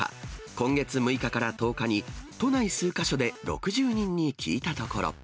今月６日から１０日に、都内数か所で６０人に聞いたところ。